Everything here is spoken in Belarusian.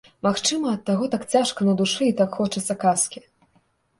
Магчыма, ад таго так цяжка на душы і так хочацца казкі.